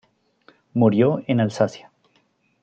Murió en Alsacia.